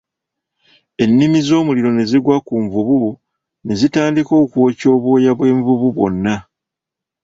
Ennimi z'omuliro ne zigwa ku nvubu ne zitandika okwokya obwoya bw'envubu bwonna.